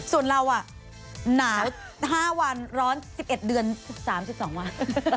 ส่วนเราหนาว๕วันร้อน๑๑เดือน๓๒วัน